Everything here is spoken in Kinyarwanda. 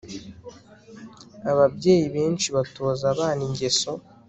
Ababyeyi benshi batoza abana ingeso